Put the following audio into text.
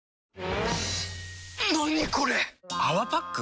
何これ⁉「泡パック」？